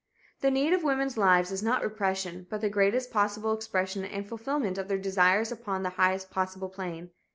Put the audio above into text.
The need of women's lives is not repression, but the greatest possible expression and fulfillment of their desires upon the highest possible plane.